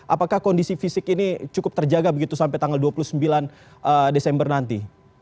apakah kondisi fisik ini cukup terjaga begitu sampai tanggal dua puluh sembilan desember nanti